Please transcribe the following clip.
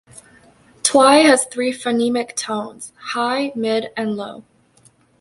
Twi has three phonemic tones: high, mid, and low.